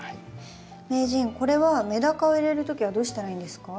名人これはメダカを入れる時はどうしたらいいんですか？